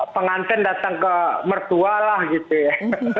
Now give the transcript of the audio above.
penganten datang ke mertua lah gitu ya